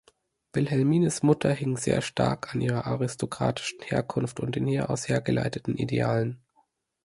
Wilhelmines Mutter hing sehr stark an ihrer aristokratischen Herkunft und den hieraus hergeleiteten Idealen.